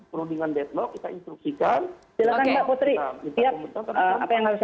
perundingan detok kita instruksikan